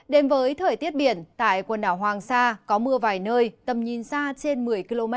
đến với thời tiết biển tại quần đảo hoàng sa có mưa vài nơi tầm nhìn xa trên một mươi km